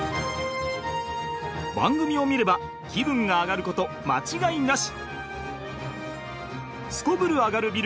番組を見れば気分がアガること間違いなし！